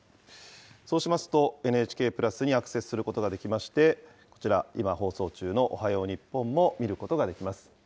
そうしますと、ＮＨＫプラスにアクセスすることができまして、こちら、今放送中のおはよう日本も見ることができます。